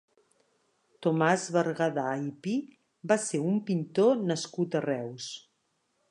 Tomàs Bergadà i Pi va ser un pintor nascut a Reus.